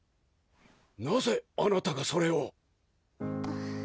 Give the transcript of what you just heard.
なぜあなたがそれを？